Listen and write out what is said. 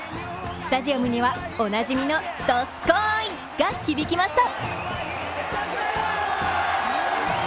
スタジアムには、おなじみの「どすこーい！」が響きました。